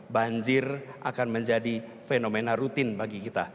banjir akan menjadi fenomena rutin bagi kita